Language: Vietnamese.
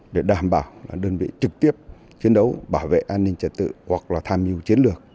để đảm bảo đơn vị trực tiếp chiến đấu bảo vệ an ninh trật tự hoặc tham nhu chiến lược